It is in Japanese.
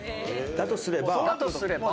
だとすれば。